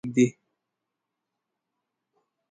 ملګری هغه څوک دی چې هیڅکله دې نه پرېږدي.